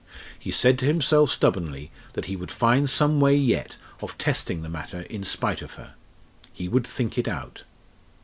He said to himself stubbornly that he would find some way yet of testing the matter in spite of her. He would think it out.